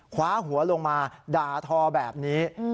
คว้าหัวลงมาด่าทอแบบนี้